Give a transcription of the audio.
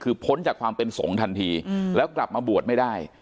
คือพ้นจากความเป็นสงฆ์ทันทีแล้วกลับมาบวชไม่ได้